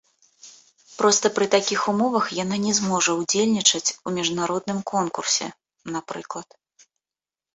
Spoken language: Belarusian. Проста пры такіх умовах яна не зможа ўдзельнічаць у міжнародным конкурсе, напрыклад.